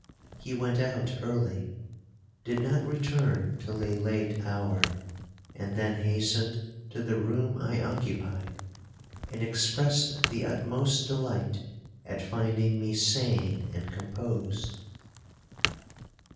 He went out early, did not return till a late hour, and then hastened to the room I occupied, and expressed the utmost delight at finding me sane and composed.